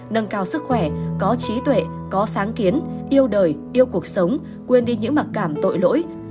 nâng cao sức khỏe có trí tuệ có sáng kiến yêu đời yêu cuộc sống quên đi những mặc cảm tội lỗi